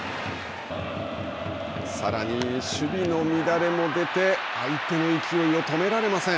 さらに守備の乱れも出て相手の勢いを止められません。